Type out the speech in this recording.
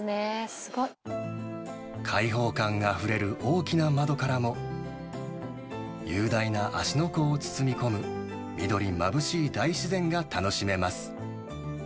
すごい。開放感あふれる大きな窓からも、雄大な芦ノ湖を包み込む緑まぶしい大自然が楽しめます。